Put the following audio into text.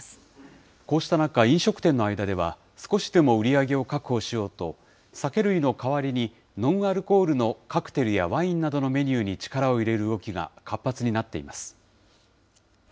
こうした中、飲食店の間では、少しでも売り上げを確保しようと、酒類の代わりにノンアルコールのカクテルやワインなどのメニューに力を入れる動きが活発になっています。